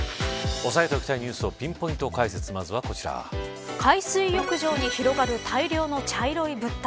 押さえておきたいニュースをピンポイント解説海水浴場に広がる大量の茶色い物体。